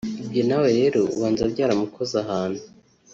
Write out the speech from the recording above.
Ibyo nawe rero ubanza byaramukoze ahantu